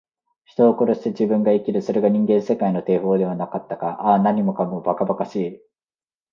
人を殺して自分が生きる。それが人間世界の定法ではなかったか。ああ、何もかも、ばかばかしい。